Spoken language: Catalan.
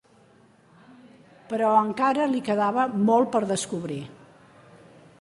Però encara li quedava molt per descobrir.